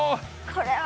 これは。